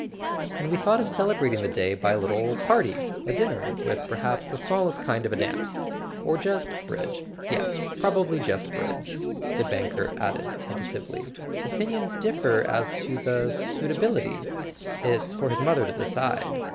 "And we thought of celebrating the day by a little party—a dinner, with perhaps the smallest kind of a dance: or just bridge—yes, probably just bridge," the banker added tentatively. "Opinions differ as to the suitability—it's for his mother to decide.